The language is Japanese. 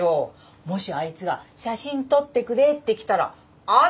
もしあいつが写真撮ってくれって来たらあんた断るかい？